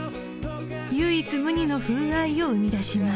［唯一無二の風合いを生み出します］